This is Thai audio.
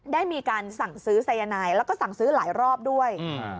ได้มีการสั่งซื้อสายนายแล้วก็สั่งซื้อหลายรอบด้วย